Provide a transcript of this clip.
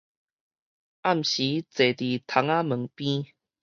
暗時坐佇窗仔門邊